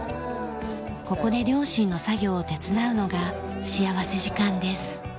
ここで両親の作業を手伝うのが幸福時間です。